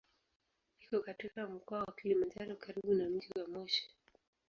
Iko katika Mkoa wa Kilimanjaro karibu na mji wa Moshi.